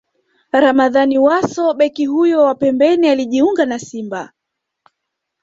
Ramadhani Wasso Beki huyo wa pembeni alijiunga na Simba